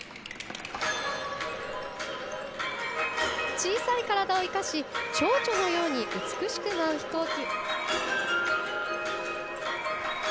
小さい体を生かしちょうちょうのように美しく舞う飛行機。